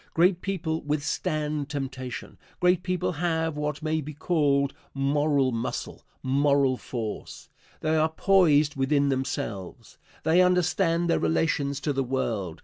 Great people withstand temptation. Great people have what may be called moral muscle, moral force. They are poised within themselves. They understand their relations to the world.